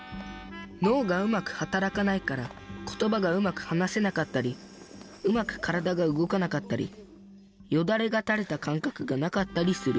脳がうまく働かないから言葉がうまく話せなかったりうまく体が動かなかったりよだれがたれた感覚がなかったりする。